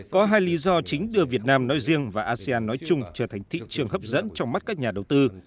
có hai lý do chính đưa việt nam nói riêng và asean nói chung trở thành thị trường hấp dẫn trong mắt các nhà đầu tư